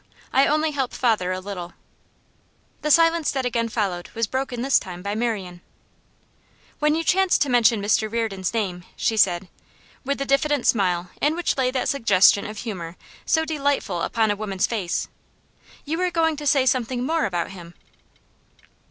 I only help father a little.' The silence that again followed was broken this time by Marian. 'When you chanced to mention Mr Reardon's name,' she said, with a diffident smile in which lay that suggestion of humour so delightful upon a woman's face, 'you were going to say something more about him?